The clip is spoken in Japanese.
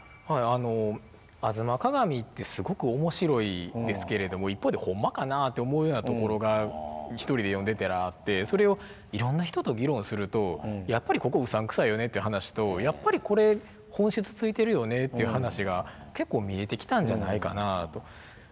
はいあの「吾妻鏡」ってすごく面白いんですけれども一方で「ほんまかな」って思うようなところが一人で読んでたらあってそれをいろんな人と議論すると「やっぱりここうさんくさいよね」っていう話と「やっぱりこれ本質ついてるよね」っていう話が結構見えてきたんじゃないかなと。